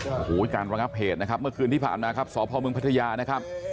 โอ้โหการระงับเหตุนะครับเมื่อคืนที่ผ่านมาครับสพมพัทยานะครับ